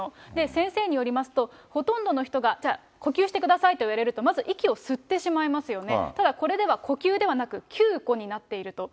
先生によりますと、ほとんどの人がじゃあ、呼吸してくださいと言われると、まず息を吸ってしまいますよね、ただ、これでは呼吸ではなく、吸呼担っていると。